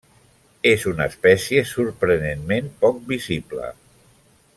És una espècie sorprenentment poc visible.